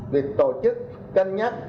việc tổ chức cân nhắc